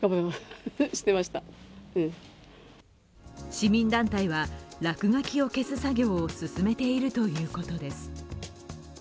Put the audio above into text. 市民団体は落書きを消す作業を進めているということです。